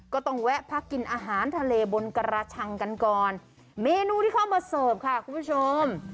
แวะพักกินอาหารทะเลบนกระชังกันก่อนเมนูที่เข้ามาเสิร์ฟค่ะคุณผู้ชม